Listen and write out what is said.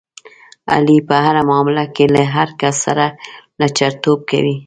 علي په هره معامله کې له هر کس سره لچرتوب کوي.